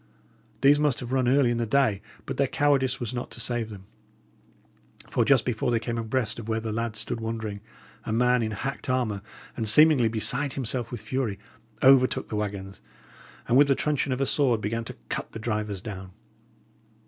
These must have run early in the day; but their cowardice was not to save them. For just before they came abreast of where the lads stood wondering, a man in hacked armour, and seemingly beside himself with fury, overtook the waggons, and with the truncheon of a sword, began to cut the drivers down.